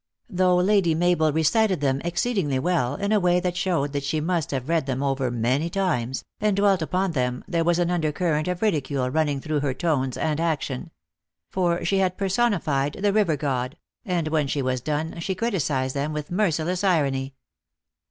Though Lady Mabel recited them exceedingly well, in a way that show r ed that she must have read them over many times, and dwelt upon them, there was an under current of ridicule runnino & through her tones and action for she had personified the river god : and when she was done, she criticised them with merciless irony.